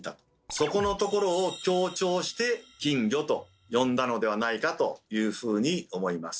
そこのところを強調して金魚と呼んだのではないかというふうに思います。